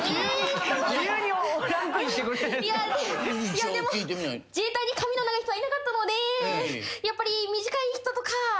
いやでも自衛隊に髪の長い人はいなかったのでやっぱり。